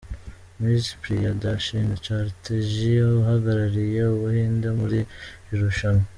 Miss Priyadarshini Chatterjee uhagarariye u Buhinde muri iri rushanwa.